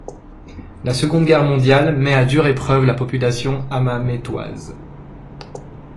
La Seconde Guerre mondiale met à dure épreuve la population hammamétoise.